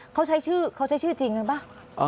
เขาใช้ชื่อเขาใช้ชื่อจริงกันป่ะ